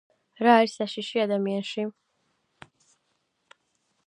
რა არის საშიში ადამიანში?